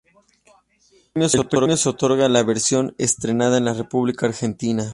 El premio se otorga a la versión estrenada en la República Argentina.